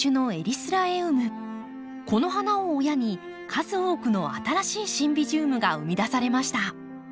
この花を親に数多くの新しいシンビジウムが生み出されました。